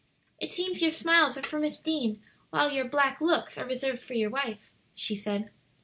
"It seems your smiles are for Miss Deane, while your black looks are reserved for your wife," she said.